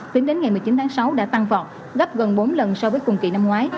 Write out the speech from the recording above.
tính đến ngày một mươi chín tháng sáu đã tăng vọt gấp gần bốn lần so với cùng kỳ năm ngoái